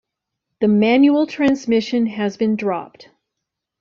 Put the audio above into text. The manual transmission has been dropped.